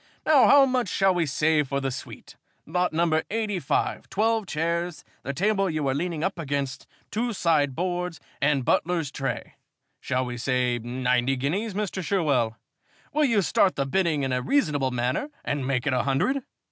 Now how much shall we say for the suite? Lot number 85 twelve chairs, the table you are leaning up against, two sideboards, and butler's tray. Shall we say ninety guineas, Mr. Sherwell? Will you start the bidding in a reasonable manner and make it a hundred?"